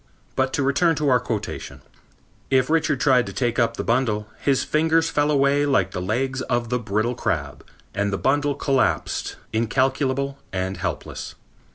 But to return to our quotation: "If Richard tried to take up the bundle, his fingers fell away like the legs of the brittle crab and the bundle collapsed, incalculable and helpless.